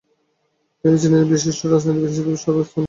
তিনি চীনের বিশিষ্ট রাজনীতিবিদ হিসেবে স্বঅবস্থানে বজায় ছিলেন।